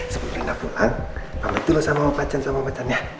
sebelum rena pulang pamit dulu sama opacan opacannya